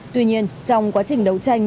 tuy nhiên trong quá trình đấu tranh